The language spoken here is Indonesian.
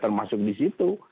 termasuk di situ